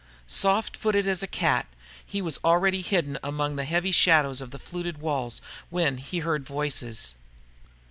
Soft footed as a cat, he was already hidden among the heavy shadows of the fluted walls when, he heard the voices.